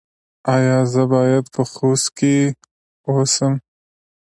ایا زه باید په خوست کې اوسم؟